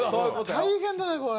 大変だなこれ。